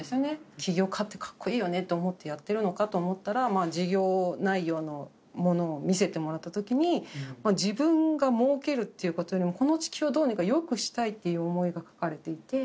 起業家ってかっこいいよねと思ってやってるのかと思ったら、事業内容のものを見せてもらったときに、自分がもうけるっていうことよりも、この地球をどうにかよくしたいっていう思いが書かれていて。